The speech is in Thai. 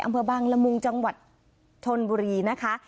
อำเภอบางละมุงจังหวัดชนบุรีนะคะ